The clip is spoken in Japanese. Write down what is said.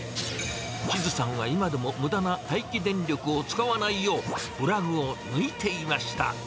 千都さんは今でもむだな待機電力を使わないよう、プラグを抜いていました。